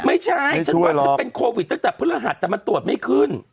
ไม่ใช่ฉันว่าฉันเป็นโควิดตั้งแต่พฤหัสแต่มันตรวจไม่ขึ้น